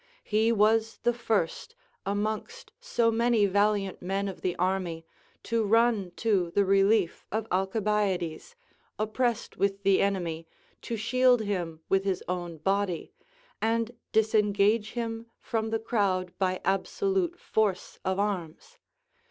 He was the first, amongst so many valiant men of the army, to run to the relief of Alcibiades, oppressed with the enemy, to shield him with his own body, and disengage him from the crowd by absolute force of arms.